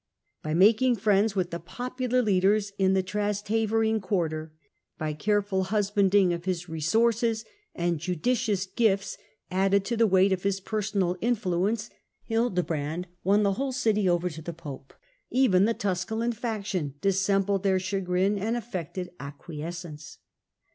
By making friends with the popular leaders in the Trasteverine quarter, by careful husbanding of his resources, and judicious gifts, added / to the weight of his personal influence, Hildebrand won tne whole city over to the pope; even the Tusculan faction dissembled their chagrin and affected acquies cence.